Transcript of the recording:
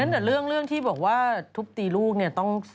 แต่เรื่องที่บอกว่าทุบตีลูกเนี่ยต้องเคลียร์นะ